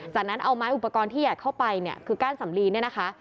จากนั้นเอาไม้อุปกรณ์ที่อยากเข้าไปเนี่ยคือก้านสำลีเนี่ยนะคะ